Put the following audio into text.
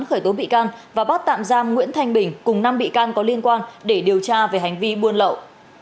khởi tố bị can và bắt tạm giam nguyễn thanh bình cùng năm bị can có liên quan để điều tra về hành vi buôn lậu